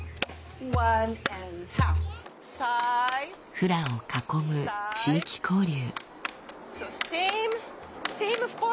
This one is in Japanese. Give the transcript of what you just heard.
フラを囲む地域交流。